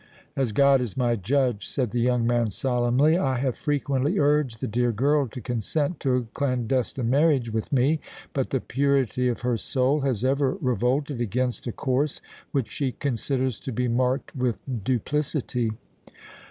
"As God is my judge," said the young man solemnly. "I have frequently urged the dear girl to consent to a clandestine marriage with me; but the purity of her soul has ever revolted against a course which she considers to be marked with duplicity."